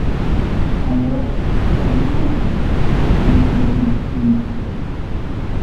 Alors Hervé comprit qu’elle entrevoyait l’affreux mystère.